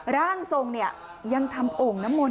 ร่างทรงเนี่ยยังทำโองนมนทร์